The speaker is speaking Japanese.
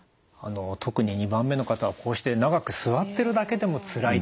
特に２番目の方こうして長く座ってるだけでもつらいって。